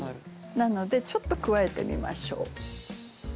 なのでちょっと加えてみましょう。